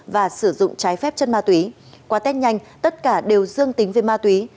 và sử dụng trái phép chất ma túy qua test nhanh tất cả đều dương tính với ma túy